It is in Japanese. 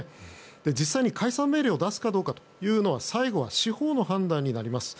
実際に解散命令を出すかどうかというのは最後は司法の判断になります。